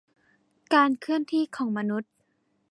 การเคลื่อนที่ของมนุษย์